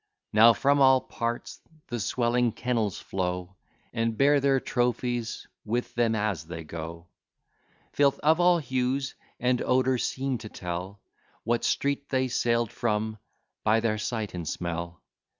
Now from all parts the swelling kennels flow, And bear their trophies with them as they go: Filth of all hues and odour, seem to tell What street they sail'd from, by their sight and smell.